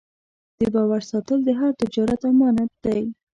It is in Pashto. د باور ساتل د هر تجارت امانت دی.